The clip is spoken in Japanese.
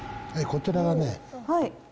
こちらがね。